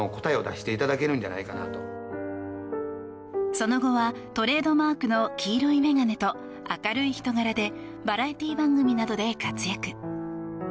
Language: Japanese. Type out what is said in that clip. その後はトレードマークの黄色い眼鏡と明るい人柄でバラエティー番組などで活躍。